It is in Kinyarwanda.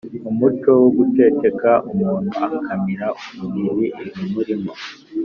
umuco wo guceceka umuntu akamira bunguri ibimurimo.